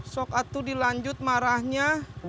sok atuh dilanjut marahnya